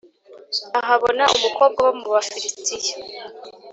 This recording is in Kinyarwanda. ahabona umukobwa wo mu Bafilisitiya